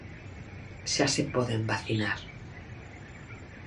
Xa se poden vacinar.